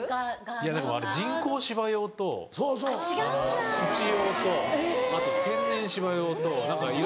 いやでもあれ人工芝用と土用とあと天然芝用と何かいろいろ。